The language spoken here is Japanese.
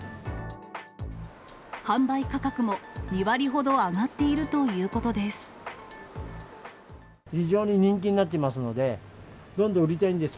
販売価格も２割ほど上がっているということです。